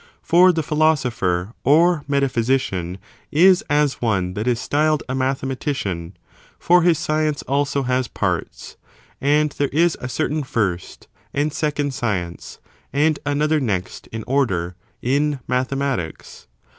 For the Philosopher or Metaphysician is as one that is styled a Mathematician, for his science also has parts ; and there is a certain first and second science, and another next in order, in mathematics.